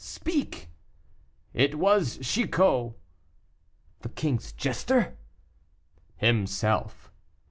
"Speak." "It was Chicot." "The king's jester!" "Himself."